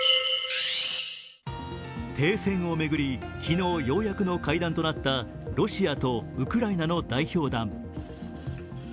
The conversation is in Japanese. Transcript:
停戦を巡り、昨日、ようやくの会談となったロシアとウクライナの代表団。